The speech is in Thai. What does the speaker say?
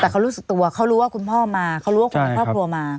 แต่เขารู้สึกตัวเขารู้ว่าคุณพ่อมาเขารู้ว่าคนในครอบครัวมา